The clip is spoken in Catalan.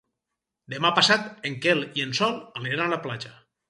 Demà passat en Quel i en Sol aniran a la platja.